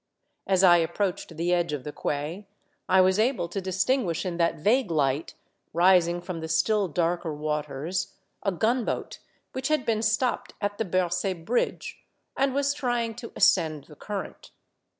As I approached the edge of the quay, I was able to distinguish in that vague light, rising from the still darker waters, a gunboat which had been stopped at the Bercy bridge, and was trying to ascend the current.